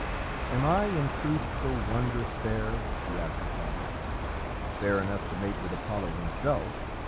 "Am I in truth so wondrous fair?" she asked her father. "Fair enough to mate with Apollo himself!"